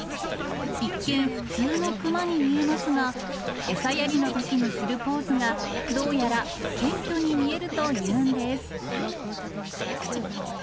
一見、普通のクマに見えますが、餌やりのときにするポーズが、どうやら謙虚に見えるというんです。